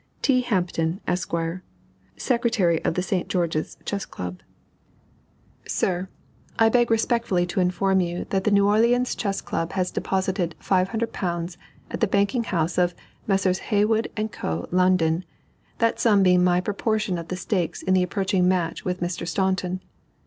T. HAMPTON, ESQ., Secretary of the St. George's Chess Club: SIR, I beg respectfully to inform you that the New Orleans Chess Club has deposited £500 at the Banking House of Messrs. Heywood & Co., London: that sum being my proportion of the stakes in the approaching match with Mr. Staunton.